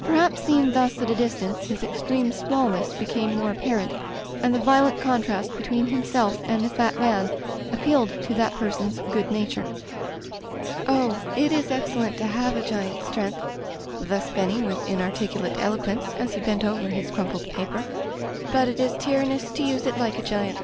Perhaps, seen thus at a distance, his extreme smallness became more apparent, and the violent contrast between himself and the fat man appealed to that person's good nature. "Oh! it is excellent to have a giant's strength" — ^thus Benny with inarticulate elo quence, as he bent over his crumpled paper — "but it is tyrannous to use it like a giant."